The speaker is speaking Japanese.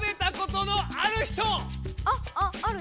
ああある。